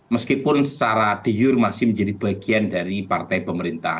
meskipun secara deyur masih menjadi bagian dari partai pemerintah